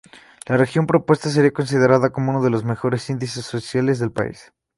La región propuesta sería considerada como uno de los mejores índices sociales del país.